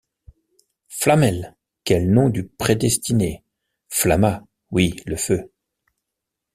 Flamel! quel nom de prédestiné, Flamma !— Oui, le feu.